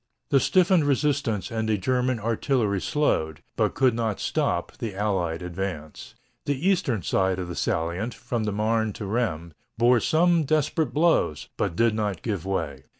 The stiffened resistance and the German artillery slowed, but could not stop, the Allied advance. The eastern side of the salient, from the Marne to Rheims, bore some desperate blows, but did not give way.